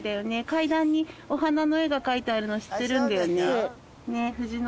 階段にお花の絵が描いてあるの知ってるんだよね。